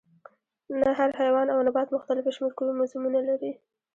نه هر حیوان او نبات مختلف شمیر کروموزومونه لري